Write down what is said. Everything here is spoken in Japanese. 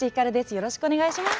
よろしくお願いします。